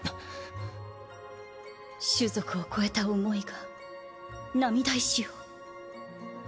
種族を超えた思いが涙石を。